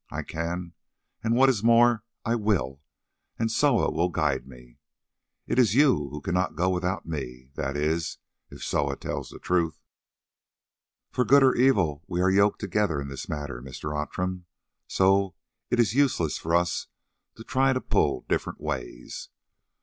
"I can, and what is more, I will, and Soa shall guide me. It is you who cannot go without me—that is, if Soa tells the truth. "For good or evil we are yoked together in this matter, Mr. Outram, so it is useless for us to try to pull different ways.